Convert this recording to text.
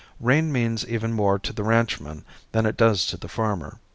Rain means even more to the ranchman than it does to the farmer.